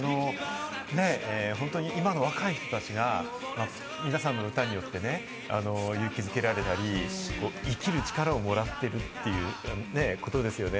本当に、今の若い人たちが皆さんの歌によって勇気付けられたり、生きる力をもらってるっていうことですよね。